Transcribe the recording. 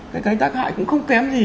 cái tác hại cũng không kém gì